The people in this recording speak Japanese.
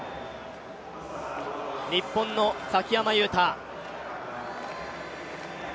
日本の崎山雄太。